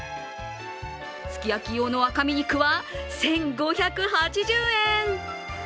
すき焼き用の赤身肉は１５８０円。